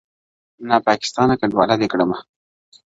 نا پاکستانه کنډواله دي کړمه,